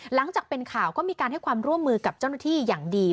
หลังจากเป็นข่าวก็มีการให้ความร่วมมือกับเจ้าหน้าที่อย่างดี